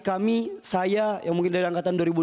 kami saya yang mungkin dari angkatan